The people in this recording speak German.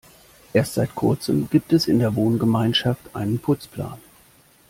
Erst seit Kurzem gibt es in der Wohngemeinschaft einen Putzplan.